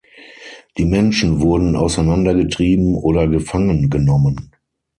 Die Menschen wurden auseinandergetrieben oder gefangen genommen.